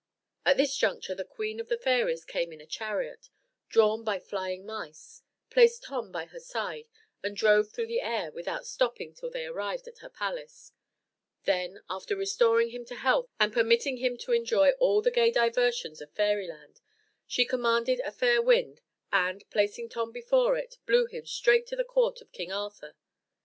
At this juncture the queen of the fairies came in a chariot, drawn by flying mice, placed Tom by her side, and drove through the air, without stopping till they arrived at her palace; when, after restoring him to health and permitting him to enjoy all the gay diversions of Fairyland, she commanded a fair wind, and, placing Tom before it, blew him straight to the court of King Arthur.